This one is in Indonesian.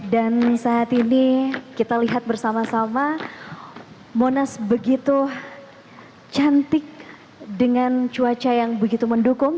dan saat ini kita lihat bersama sama monas begitu cantik dengan cuaca yang begitu mendukung